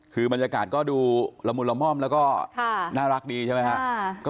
คือบรรยากาศดูละมุลละม่อมและน่ารักดีใช่มั้ยครับ